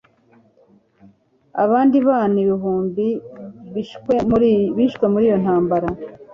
Abandi bana ibihumbi bishwe muri iyo ntambara